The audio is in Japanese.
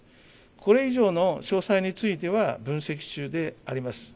これ以上の詳細については、分析中であります。